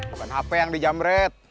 bukan hp yang dijamret